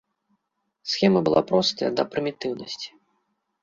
Схема была простая да прымітыўнасці.